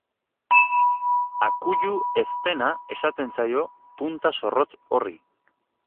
Akuilu-eztena esaten zaio punta zorrotz horri.